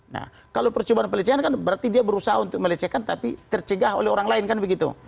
nah kalau percobaan pelecehan kan berarti dia berusaha untuk melecehkan tapi tercegah oleh orang lain kan begitu